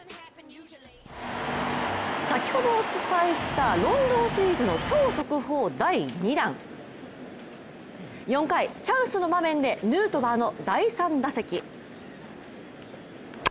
先ほどお伝えしたロンドンシリーズの超速報第２弾、４回、チャンスの場面でヌートバーの第３打席。